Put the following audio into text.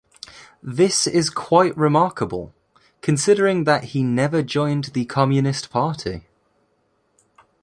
This is quite remarkable, considering that he never joined the Communist Party.